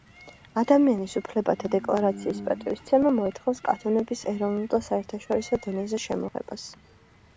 ადამიანის უფლებათა დეკლარაციის პატივისცემა მოითხოვს კანონების ეროვნულ და საერთაშორისო დონეზე შემოღებას.